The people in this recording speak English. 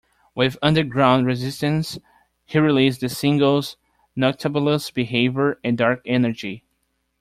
With Underground Resistance, he released the singles "Nocturbulous Behavior" and "Dark Energy".